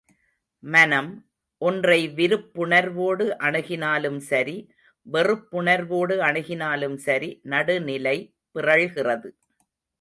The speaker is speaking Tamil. மனம், ஒன்றை விருப்புணர்வோடு அணுகினாலும் சரி, வெறுப்புணர்வோடு அணுகினாலும் சரி, நடுநிலை பிறழ்கிறது!